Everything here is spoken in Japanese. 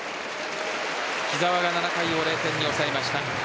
木澤が７回を０点に抑えました。